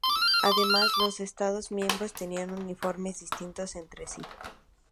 Además, los estados miembros tenían uniformes distintos entre sí.